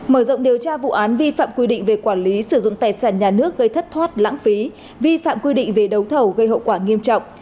mở rộng điều tra vụ án vi phạm quy định về quản lý sử dụng tài sản nhà nước gây thất thoát lãng phí vi phạm quy định về đấu thầu gây hậu quả nghiêm trọng